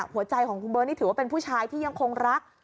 หัวใจของคุณเบิร์ตนี่ถือว่าเป็นผู้ชายที่ยังคงรัก